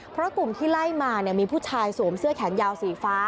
เพราะกลุ่มที่ไล่มามีผู้ชายสวมเสื้อแขนยาวสีฟ้า